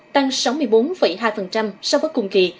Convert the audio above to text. tăng sáu mươi bốn hai so với cùng kỳ